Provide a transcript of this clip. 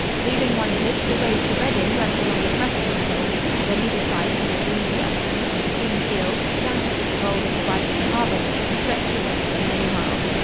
Leaving Wantage, the road to Reading runs along the crest of the hills, and on either side from the breezy uplands, the green fields, dashed with the gold of the ripening harvest, stretched away for many miles.